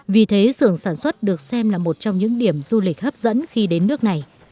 vì thế xưởng sản xuất được xem là một trong những điểm du lịch hấp dẫn khi đến nước này